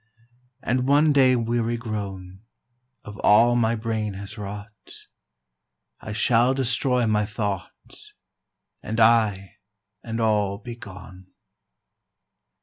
And one day weary grown Of all my brain has wrought, I shall destroy my thought And I and all be gone.